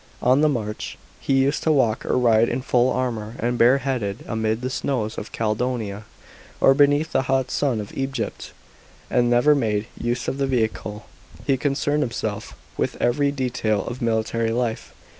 On the march, he used to walk or ride in full armour and bareheaded, amid the snows of Caledonia or beneath the hot sun of E'jiypt ; and never made use of a vehicle. He concerned himself with every detail of military life.